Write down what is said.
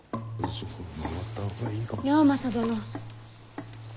直政殿。